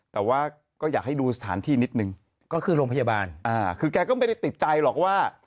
แต่ว่าก็อยากให้ดูสถานที่นิดนึงก็คือโรงพยาบาลอ่าคือแกก็ไม่ได้ติดใจหรอกว่า